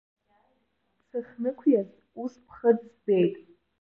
Сахьнықәиаз, ус ԥхыӡ збеит.